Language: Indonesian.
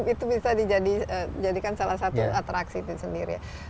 itu bisa dijadikan salah satu atraksi itu sendiri ya